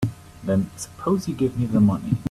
Then suppose you give me the money.